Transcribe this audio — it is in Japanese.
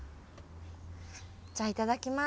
じゃあいただきます。